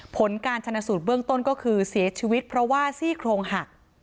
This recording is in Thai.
ผลการชนะสูตรเบื้องต้นก็คือเสียชีวิตเพราะว่าซี่โครงหัก